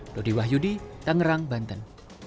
dodi wahyudi tangerang banten